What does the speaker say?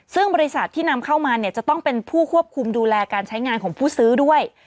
ซึ่งบริษัทที่นำเข้ามาเนี่ยจะต้องเป็นผู้ควบคุมดูแลการใช้งานของผู้ซื้อด้วย